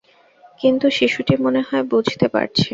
কিন্তু শিশুটি মনে হয় বুঝতে পারছে।